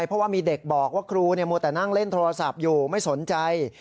เพราะว่ามีเด็กบอกว่าครูมัวแต่นั่งเล่นโทรศัพท์อยู่ไม่สนใจ